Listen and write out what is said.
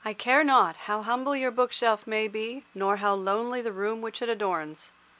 I care not how humble your bookshelf may be, nor how lowly the room which it adorns.